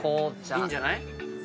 いいんじゃない。